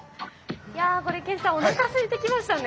いやゴリけんさんおなかすいてきましたね。